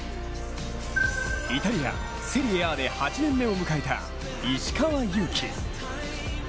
イタリア・セリエＡで８年目を迎えた石川祐希。